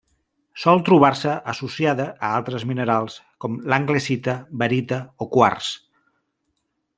Sol trobar-se associada a altres minerals com anglesita, barita o quars.